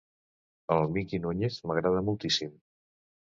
El Miki Núñez m'agrada moltíssim.